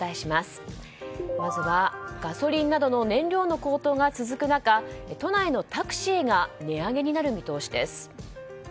まずはガソリンなどの燃料の高騰が続く中都内のタクシーが値上げになる見通しです。